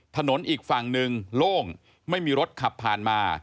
ถนนอีกฝั่งหนึ่งโล่งไม่มีรถขับผ่านมา